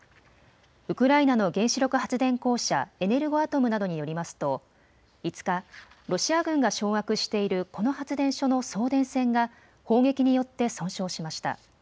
ウクライナの原子力発電公社、エネルゴアトムなどによりますと５日、ロシア軍が掌握しているこの発電所の送電線が砲撃によって損傷しました。